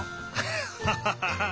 ハハハハ！